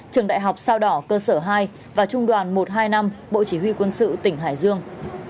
trường đại học sao đỏ cơ sở hai và trung đoàn một trăm hai mươi năm bộ chỉ huy quân sự tỉnh hải dương